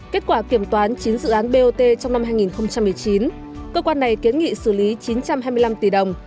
kết quả kiểm toán chín dự án bot trong năm hai nghìn một mươi chín cơ quan này kiến nghị xử lý chín trăm hai mươi năm tỷ đồng